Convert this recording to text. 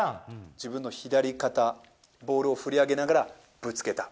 自分の左肩、ボールを振り上げながらぶつけた。